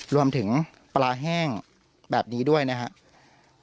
รวมถึงปลาแห้งแบบนี้ด้วยนะครับ